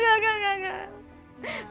gak gak gak gak